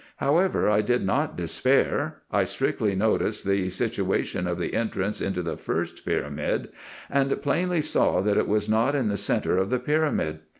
However, I did not despair. I strictly noticed the situation of the entrance into the first pyramid, and plainly saw, that it was not in the centre of the pyramid.